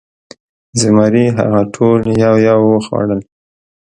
زمري هغه ټول یو یو وخوړل.